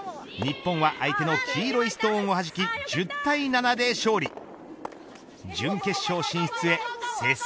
日本は相手の黄色いストーンをはじき１０対７で勝利。